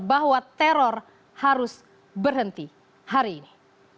bahwa teror harus berhenti hari ini